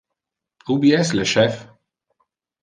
Ubi es le chef?